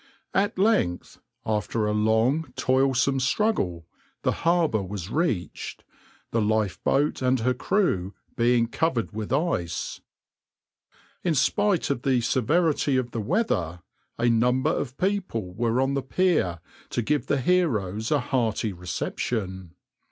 At length, after a long, toilsome struggle, the harbour was reached, the lifeboat and her crew being covered with ice. In spite of the severity of the weather, a number of people were on the pier to give the heroes a hearty reception.